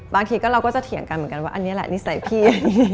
บางทีก็เราก็จะเถียงกันเหมือนกันว่าอันนี้แหละนิสัยพี่